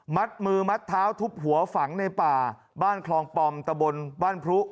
มัดมือมัดเท้าทุบหัวฝังในป่าบ้านคลองปอมตะบนบ้านพรุ